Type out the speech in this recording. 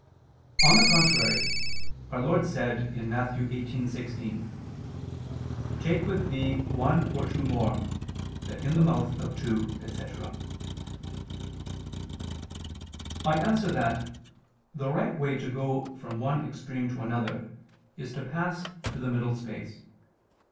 On the contrary, Our Lord said (Matt. 18:16): "Take with thee one or two more, that in the mouth of two," etc. I answer that, The right way to go from one extreme to another is to pass through the middle space.